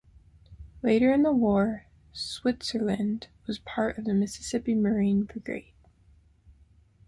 Later in the war, "Switzerland" was part of the Mississippi Marine Brigade.